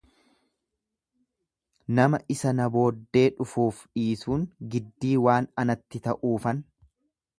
Nama isa na booddee dhufuuf dhiisuun giddii waan anatti ta'uufan